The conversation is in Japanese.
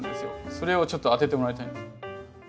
それをちょっと当ててもらいたいんです。